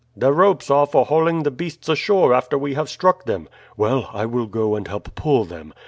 "The ropes are for hauling the beasts ashore after we have struck them." "Well, I will go and help pull them.